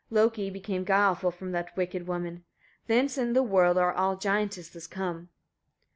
Loki became guileful from that wicked woman; thence in the world are all giantesses come.